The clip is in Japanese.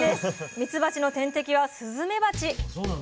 ミツバチの天敵はスズメバチ。